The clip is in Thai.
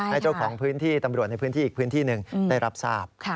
ให้เจ้าของพื้นที่ตำรวจในพื้นที่อีกพื้นที่หนึ่งได้รับทราบ